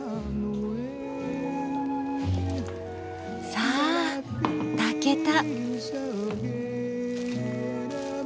さあ炊けた。